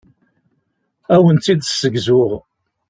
Ad awen-tt-id-ssegzuɣ.